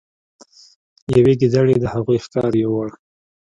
یوې ګیدړې د هغوی ښکار یووړ.